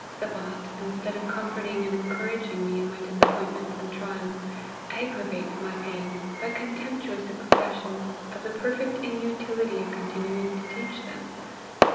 Sabat, instead of comforting and encouraging me in my 'disappointments and trials, aggravates my pain by contemptuous expressions of the perfect inutility of continuing to teach them.